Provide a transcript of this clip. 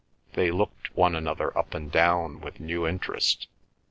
They looked one another up and down with new interest.